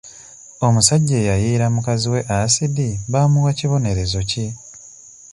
Omusajja eyayiira mukazi we asidi baamuwa kibonerezo ki?